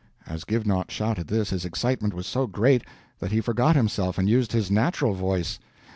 As Givenaught shouted this, his excitement was so great that he forgot himself and used his natural voice.